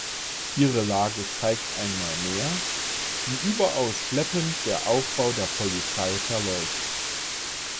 Ihre Lage zeigt einmal mehr, wie überaus schleppend der Aufbau der Polizei verläuft.